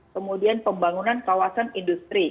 kemudian pembangunan kawasan industri